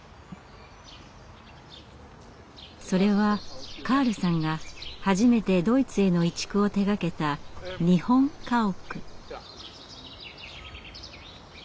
それはカールさんが初めてドイツへの移築を手がけた日本家屋。